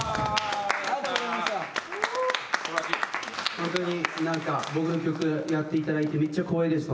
本当になんか僕の曲やっていただいてめっちゃ光栄でした。